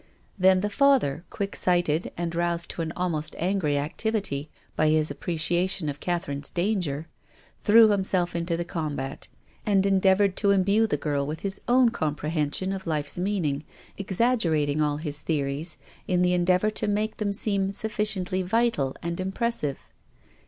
Then the father, quick sighted, and roused to an almost angry activity by his appreciation of Catherine's danger, threw himself into the combat, and endeavoured to im bue the girl with his own comprehension of life's meaning, exaggerating all his theories in the en deavour to make them seem sufficiently vital and impressive.